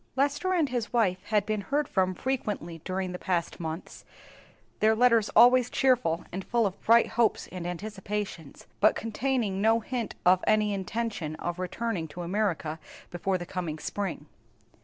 Lester and his wife had been heard from frequently during the past months, their letters always cheerful and full of bright hopes and anticipations, but containing no hint of any intention of returning to America before the coming spring.